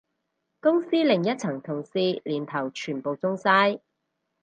公司另一層同事年頭全部中晒